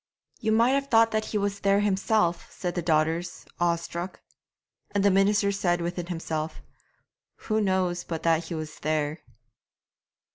'You might have thought that he was there himself,' said the daughters, awestruck. And the minister said within himself, 'Who knows but that he was there?'